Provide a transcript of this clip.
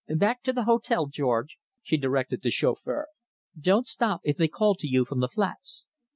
"Back to the hotel, George," she directed the chauffeur. "Don't stop if they call to you from the flats."